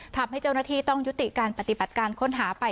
ทำให้เจ้าหน้าที่ต้องยุติการปฏิบัติการค้นหาไป